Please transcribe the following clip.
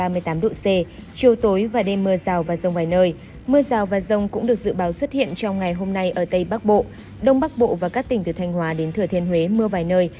mưa rào và rông cũng được dự báo xuất hiện trong ngày hôm nay ở tây bắc bộ đông bắc bộ và các tỉnh từ thanh hóa đến thừa thiên huế mưa vài nơi